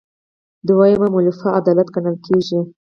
دویمه مولفه عدالت ګڼل کیږي.